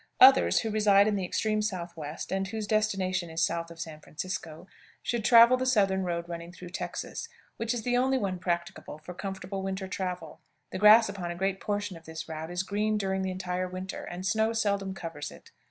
Others, who reside in the extreme Southwest, and whose destination is south of San Francisco, should travel the southern road running through Texas, which is the only one practicable for comfortable winter travel. The grass upon a great portion of this route is green during the entire winter, and snow seldom covers it.